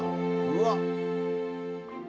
うわっ。